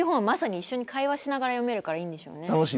会話しながら読めるからいいんでしょうね。